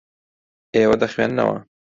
ئێوە دەخوێننەوە.